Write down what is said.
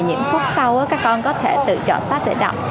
những phút sau các con có thể tự chọn sách để đọc